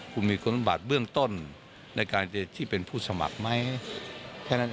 คุณมีคุณบัตรเบื้องต้นในการที่เป็นผู้สมัครไหมแค่นั้นเอง